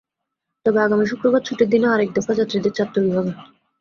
তবে আগামী শুক্রবার ছুটির দিনে আরেক দফা যাত্রীদের চাপ তৈরি হবে।